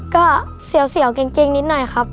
ก็เสียวเกงนิดหน่อยครับ